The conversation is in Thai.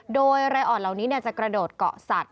โดยรายอ่อนเหล่านี้จะกระโดดเกาะสัตว